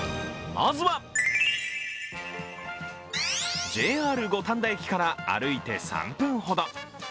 まずはＪＲ五反田駅から歩いて３分ほど。